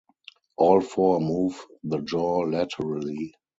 All four move the jaw laterally.